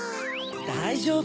だいじょうぶ！